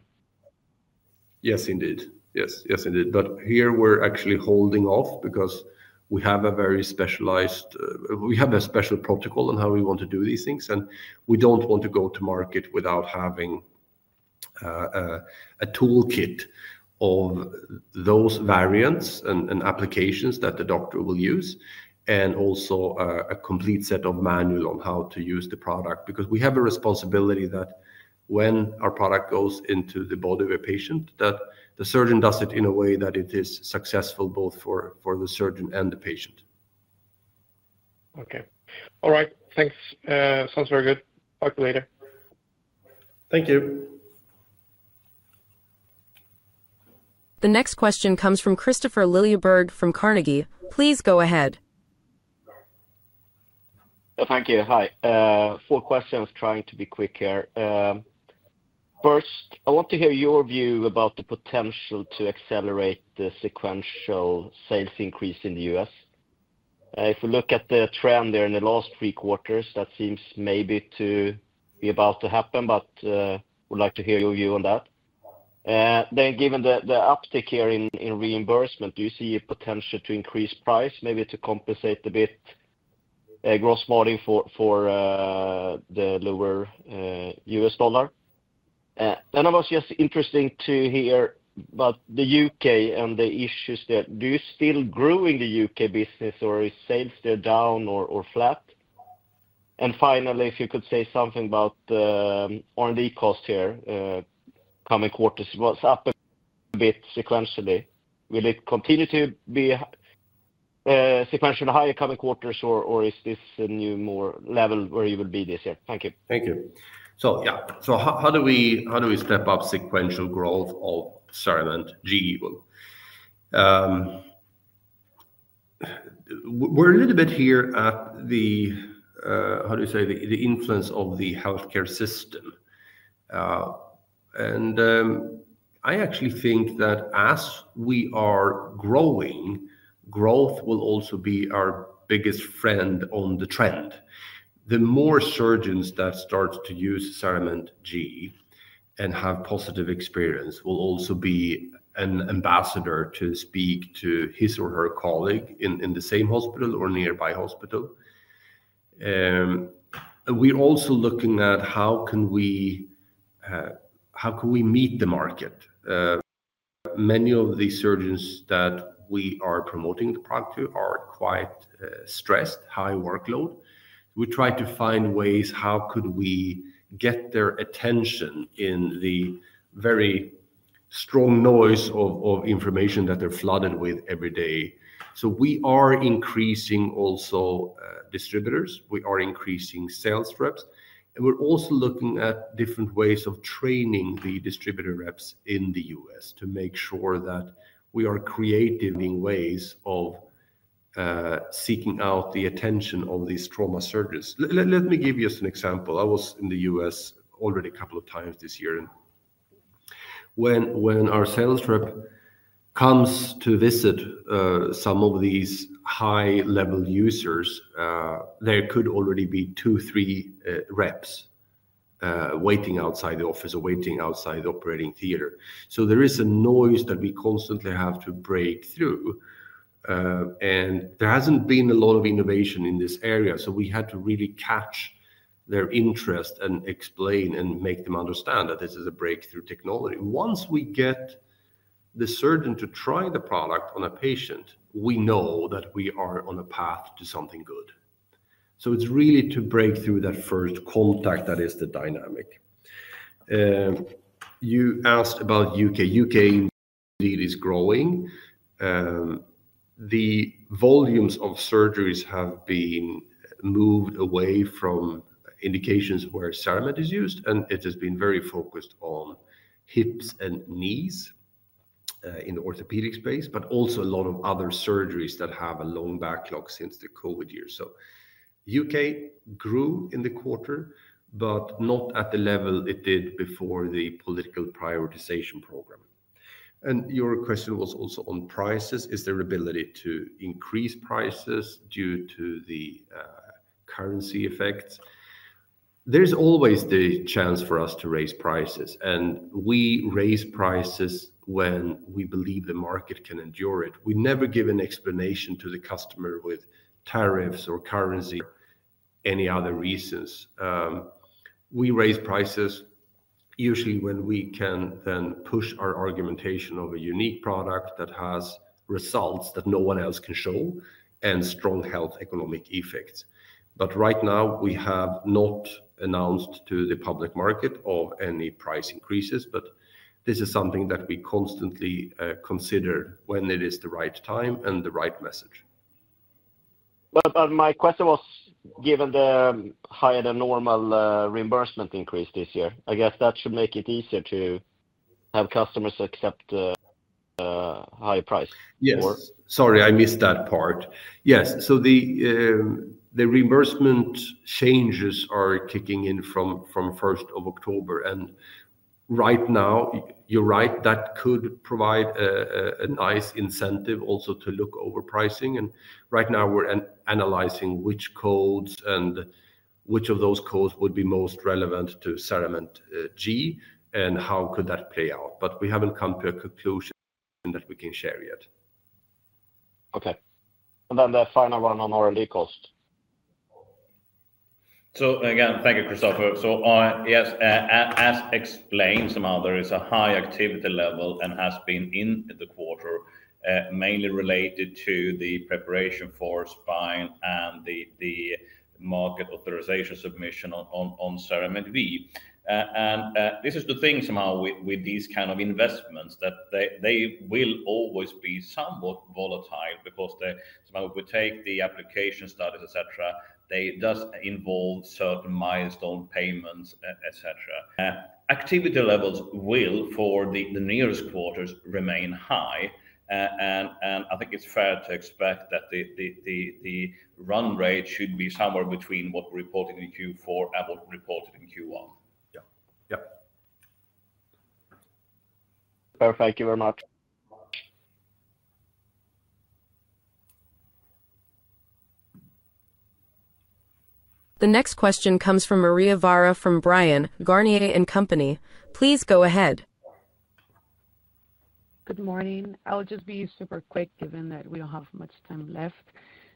Yes, indeed. Yes. Yes, indeed. Here we're actually holding off because we have a very specialized, we have a special protocol on how we want to do these things. We do not want to go to market without having a toolkit of those variants and applications that the doctor will use, and also a complete set of manual on how to use the product. Because we have a responsibility that when our product goes into the body of a patient, that the surgeon does it in a way that it is successful both for the surgeon and the patient. Okay. All right. Thanks. Sounds very good. Talk to you later. Thank you. The next question comes from Kristofer Liljeberg from Carnegie. Please go ahead. Thank you. Hi. Four questions, trying to be quick here. First, I want to hear your view about the potential to accelerate the sequential sales increase in the U.S.. If we look at the trend there in the last three quarters, that seems maybe to be about to happen, but we'd like to hear your view on that. Then, given the uptick here in reimbursement, do you see a potential to increase price, maybe to compensate a bit gross volume for the lower U.S. dollar? I was just interested to hear about the U.K. and the issues there. Do you still grow in the U.K. business, or is sales there down or flat? Finally, if you could say something about R&D costs here coming quarters. Was up a bit sequentially. Will it continue to be sequentially higher coming quarters, or is this a new more level where you will be this year? Thank you. Thank you. Yeah. How do we step up sequential growth of CERAMENT G? We're a little bit here at the, how do you say, the influence of the healthcare system. I actually think that as we are growing, growth will also be our biggest friend on the trend. The more surgeons that start to use CERAMENT G and have positive experience will also be an ambassador to speak to his or her colleague in the same hospital or nearby hospital. We're also looking at how can we meet the market. Many of the surgeons that we are promoting the product to are quite stressed, high workload. We try to find ways how could we get their attention in the very strong noise of information that they're flooded with every day. We are increasing also distributors. We are increasing sales reps. We are also looking at different ways of training the distributor reps in the U.S. to make sure that we are creating ways of seeking out the attention of these trauma surgeons. Let me give you an example. I was in the U.S. already a couple of times this year. When our sales rep comes to visit some of these high-level users, there could already be two, three reps waiting outside the office or waiting outside the operating theater. There is a noise that we constantly have to break through. There has not been a lot of innovation in this area. We had to really catch their interest and explain and make them understand that this is a breakthrough technology. Once we get the surgeon to try the product on a patient, we know that we are on a path to something good. It is really to break through that first contact that is the dynamic. You asked about the U.K. The U.K. indeed is growing. The volumes of surgeries have been moved away from indications where CERAMENT is used, and it has been very focused on hips and knees in the orthopedic space, but also a lot of other surgeries that have a long backlog since the COVID years. The U.K. grew in the quarter, but not at the level it did before the political prioritization program. Your question was also on prices. Is there ability to increase prices due to the currency effects? There's always the chance for us to raise prices. We raise prices when we believe the market can endure it. We never give an explanation to the customer with tariffs or currency or any other reasons. We raise prices usually when we can then push our argumentation of a unique product that has results that no one else can show and strong health economic effects. Right now, we have not announced to the public market any price increases, but this is something that we constantly consider when it is the right time and the right message. My question was, given the higher than normal reimbursement increase this year, I guess that should make it easier to have customers accept a higher price. Yes. Sorry, I missed that part. Yes. The reimbursement changes are kicking in from 1st of October. Right now, you are right, that could provide a nice incentive also to look over pricing. Right now, we are analyzing which codes and which of those codes would be most relevant to CERAMENT G and how that could play out. We have not come to a conclusion that we can share yet. Okay. The final one on R&D cost. Again, thank you, Kristofer. Yes, as explained somehow, there is a high activity level and has been in the quarter, mainly related to the preparation for spine and the market authorization submission on CERAMENT V. This is the thing somehow with these kind of investments that they will always be somewhat volatile because somehow if we take the application studies, etc., they do involve certain milestone payments, etc. Activity levels will, for the nearest quarters, remain high. I think it's fair to expect that the run rate should be somewhere between what we reported in Q4 and what we reported in Q1. Yeah. Yeah. Perfect. Thank you very much. The next question comes from Maria Vara from Bryan, Garnier & Co. Please go ahead. Good morning. I'll just be super quick given that we don't have much time left.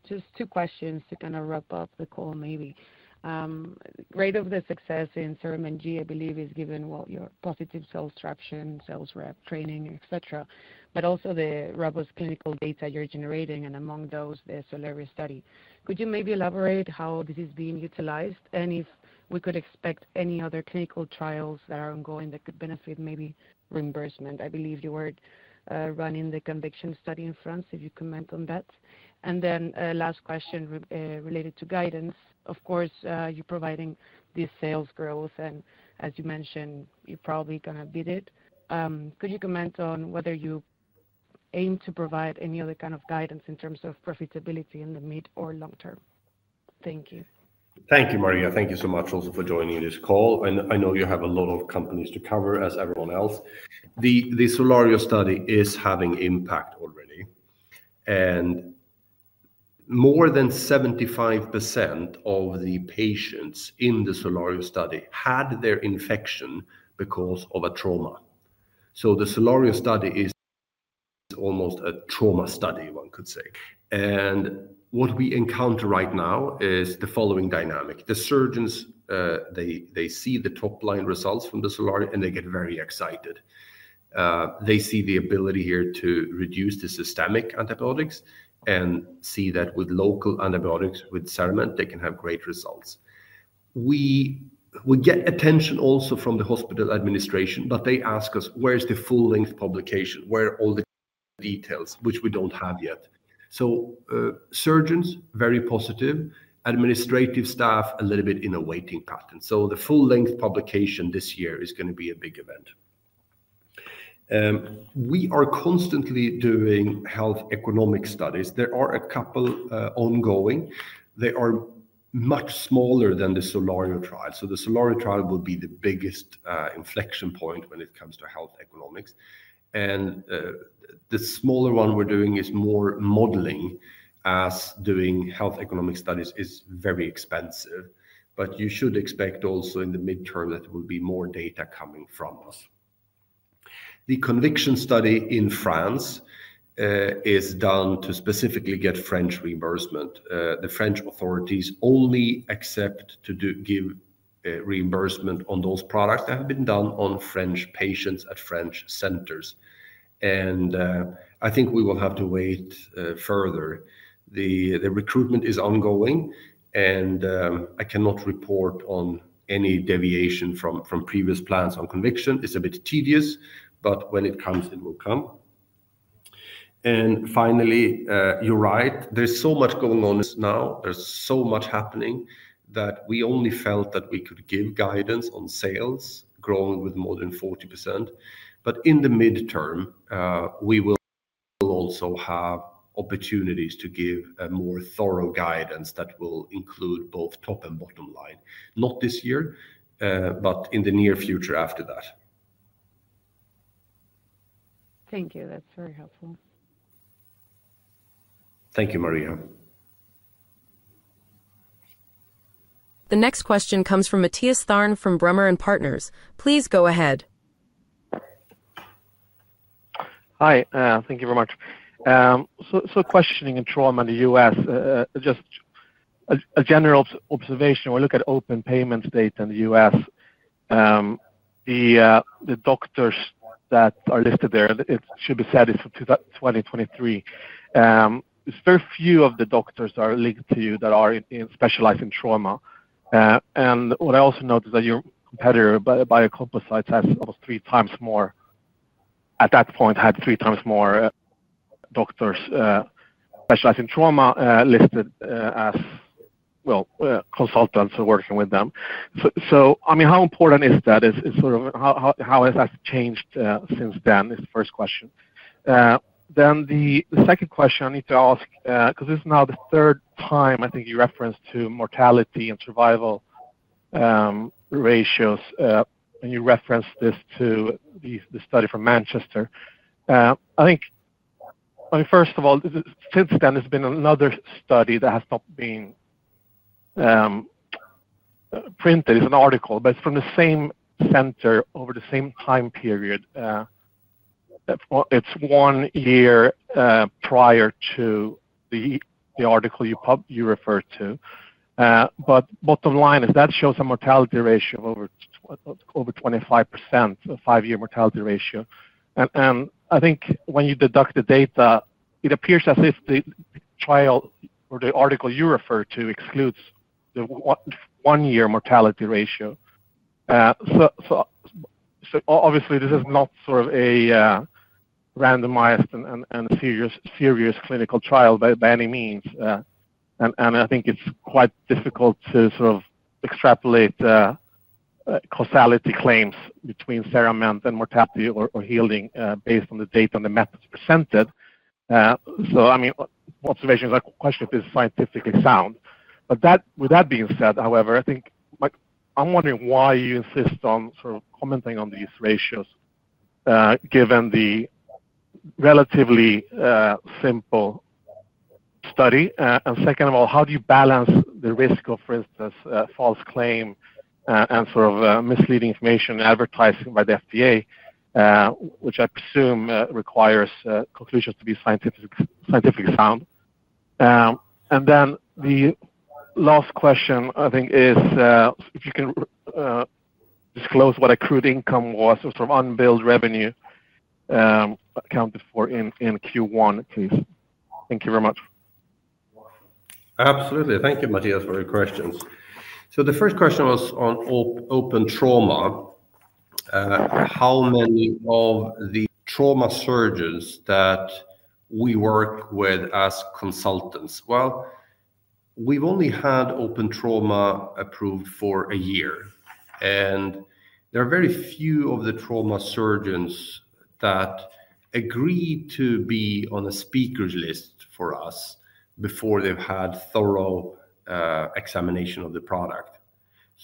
Just two questions to kind of wrap up the call maybe. Rate of the success in CERAMENT G, I believe, is given your positive sales traction, sales rep training, etc., but also the robust clinical data you're generating, and among those, the SOLARIO study. Could you maybe elaborate how this is being utilized and if we could expect any other clinical trials that are ongoing that could benefit maybe reimbursement? I believe you were running the Conviction Study in France. If you comment on that. The last question related to guidance. Of course, you're providing this sales growth, and as you mentioned, you're probably going to beat it. Could you comment on whether you aim to provide any other kind of guidance in terms of profitability in the mid or long term? Thank you. Thank you, Maria. Thank you so much also for joining this call. I know you have a lot of companies to cover as everyone else. The SOLARIO study is having impact already. More than 75% of the patients in the SOLARIO study had their infection because of a trauma. The SOLARIO study is almost a trauma study, one could say. What we encounter right now is the following dynamic. The surgeons, they see the top-line results from the SOLARIO, and they get very excited. They see the ability here to reduce the systemic antibiotics and see that with local antibiotics with CERAMENT, they can have great results. We get attention also from the hospital administration, but they ask us, "Where's the full-length publication? Where are all the details?" which we don't have yet. Surgeons, very positive. Administrative staff, a little bit in a waiting pattern. The full-length publication this year is going to be a big event. We are constantly doing health economic studies. There are a couple ongoing. They are much smaller than the SOLARIO trial. The SOLARIO trial will be the biggest inflection point when it comes to health economics. The smaller one we're doing is more modeling as doing health economic studies is very expensive. You should expect also in the midterm that there will be more data coming from us. The Conviction Study in France is done to specifically get French reimbursement. The French authorities only accept to give reimbursement on those products that have been done on French patients at French centers. I think we will have to wait further. The recruitment is ongoing, and I cannot report on any deviation from previous plans on Conviction. It's a bit tedious, but when it comes, it will come. Finally, you're right. There's so much going on now. There's so much happening that we only felt that we could give guidance on sales growing with more than 40%. In the midterm, we will also have opportunities to give more thorough guidance that will include both top and bottom line. Not this year, but in the near future after that. Thank you. That's very helpful. Thank you, Maria. The next question comes from Matthias Tharn from Bremer and Partners. Please go ahead. Hi. Thank you very much. Questioning a trauma in the U.S., just a general observation. We look at open payments data in the U.S.. The doctors that are listed there, it should be said, is from 2023. Very few of the doctors that are linked to you that specialize in trauma. What I also noticed is that your competitor, Biocomposites, has almost three times more, at that point had three times more doctors specializing in trauma listed as, well, consultants working with them. I mean, how important is that? How has that changed since then is the first question. The second question I need to ask, because this is now the third time I think you referenced to mortality and survival ratios, and you referenced this to the study from Manchester. I think, I mean, first of all, since then, there's been another study that has not been printed. It's an article, but it's from the same center over the same time period. It's one year prior to the article you referred to. Bottom line is that shows a mortality ratio of over 25%, a five-year mortality ratio. I think when you deduct the data, it appears as if the trial or the article you referred to excludes the one-year mortality ratio. Obviously, this is not sort of a randomized and serious clinical trial by any means. I think it's quite difficult to sort of extrapolate causality claims between CERAMENT and mortality or healing based on the data and the methods presented. I mean, observations are questioned if it's scientifically sound. With that being said, however, I think I'm wondering why you insist on sort of commenting on these ratios given the relatively simple study. Second of all, how do you balance the risk of, for instance, false claim and sort of misleading information advertising by the FDA, which I presume requires conclusions to be scientifically sound? Then the last question, I think, is if you can disclose what accrued income was or sort of unbilled revenue accounted for in Q1, please. Thank you very much. Absolutely. Thank you, Matthias, for your questions. The first question was on open trauma. How many of the trauma surgeons that we work with as consultants? We've only had open trauma approved for a year. There are very few of the trauma surgeons that agree to be on a speaker's list for us before they've had thorough examination of the product.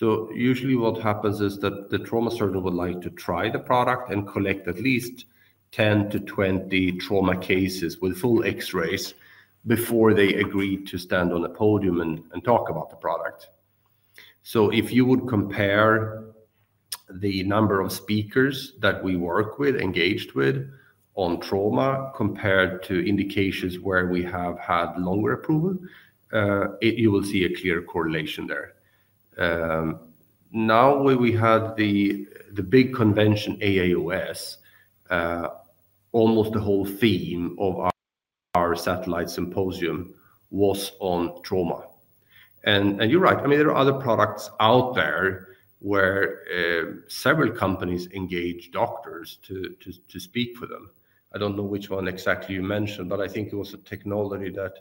Usually what happens is that the trauma surgeon would like to try the product and collect at least 10-20 trauma cases with full X-rays before they agree to stand on a podium and talk about the product. If you would compare the number of speakers that we work with, engaged with on trauma compared to indications where we have had longer approval, you will see a clear correlation there. Now, when we had the big convention, AAOS, almost the whole theme of our satellite symposium was on trauma. And you're right. I mean, there are other products out there where several companies engage doctors to speak for them. I don't know which one exactly you mentioned, but I think it was a technology that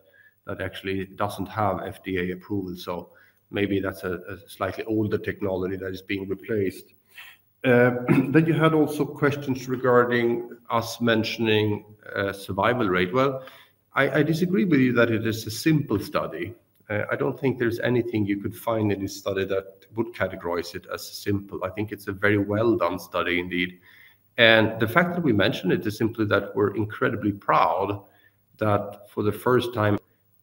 actually doesn't have FDA approval. Maybe that's a slightly older technology that is being replaced. You had also questions regarding us mentioning survival rate. I disagree with you that it is a simple study. I don't think there's anything you could find in this study that would categorize it as simple. I think it's a very well-done study indeed. The fact that we mention it is simply that we're incredibly proud that for the first time,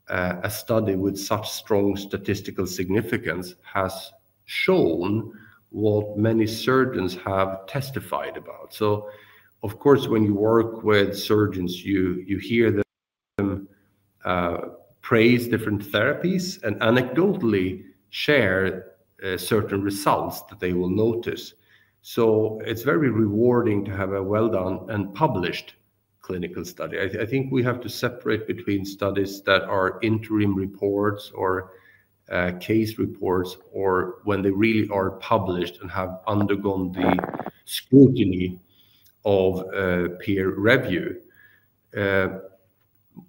a study with such strong statistical significance has shown what many surgeons have testified about. Of course, when you work with surgeons, you hear them praise different therapies and anecdotally share certain results that they will notice. It's very rewarding to have a well-done and published clinical study. I think we have to separate between studies that are interim reports or case reports or when they really are published and have undergone the scrutiny of peer review.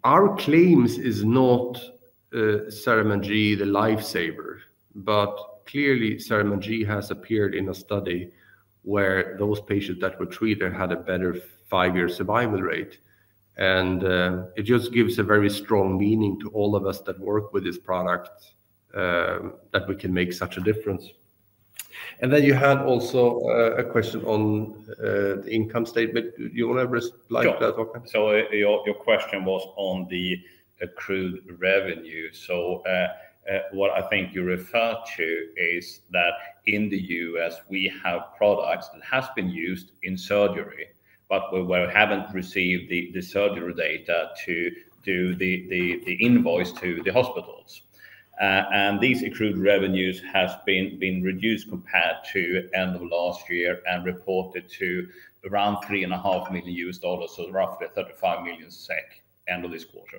Our claim is not CERAMENT G the lifesaver, but clearly CERAMENT G has appeared in a study where those patients that were treated had a better five-year survival rate. It just gives a very strong meaning to all of us that work with this product that we can make such a difference. You had also a question on the income statement. Do you want to respond to that? Your question was on the accrued revenue. What I think you referred to is that in the U.S., we have products that have been used in surgery, but we have not received the surgery data to do the invoice to the hospitals. These accrued revenues have been reduced compared to the end of last year and reported to around $3.5 million, so roughly 35 million SEK end of this quarter.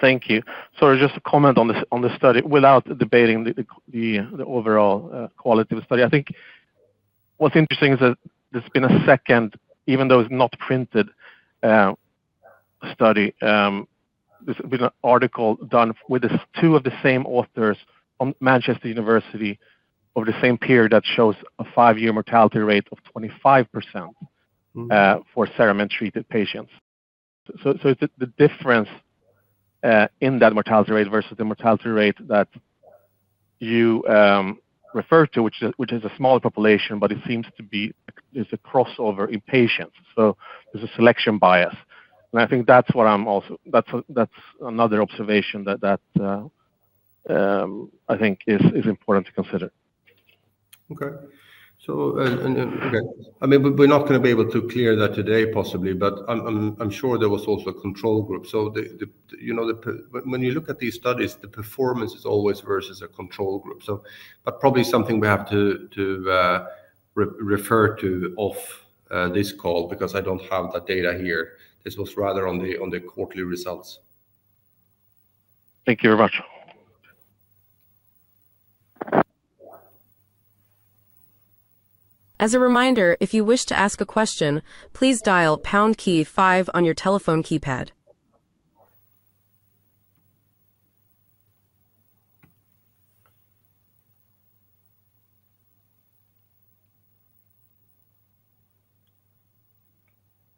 Thank you. Sorry, just a comment on the study without debating the overall quality of the study. I think what is interesting is that there has been a second, even though it is not printed, study. There's been an article done with two of the same authors from Manchester University over the same period that shows a five-year mortality rate of 25% for CERAMENT treated patients. It is the difference in that mortality rate versus the mortality rate that you referred to, which is a small population, but it seems to be there's a crossover in patients. There is a selection bias. I think that's another observation that I think is important to consider. Okay. I mean, we're not going to be able to clear that today possibly, but I'm sure there was also a control group. When you look at these studies, the performance is always versus a control group. Probably something we have to refer to off this call because I don't have that data here. This was rather on the quarterly results. Thank you very much. As a reminder, if you wish to ask a question, please dial pound key five on your telephone keypad.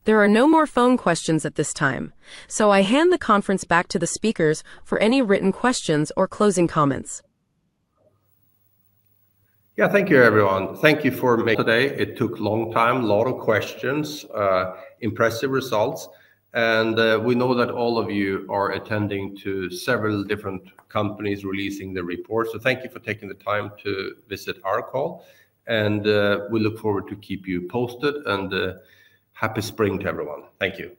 There are no more phone questions at this time. I hand the conference back to the speakers for any written questions or closing comments. Yeah, thank you, everyone. Thank you for today. It took a long time, a lot of questions, impressive results. We know that all of you are attending to several different companies releasing the report. Thank you for taking the time to visit our call. We look forward to keep you posted. Happy spring to everyone. Thank you.